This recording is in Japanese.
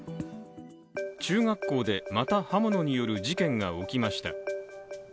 中学校で、また刃物による事件が起きました。